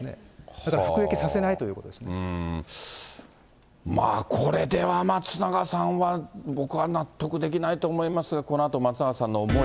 だから服役させないということでまあ、これでは松永さんは、僕は納得できないと思いますが、このあと、松永さんの思い。